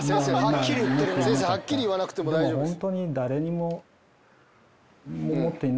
ハッキリ言わなくても大丈夫。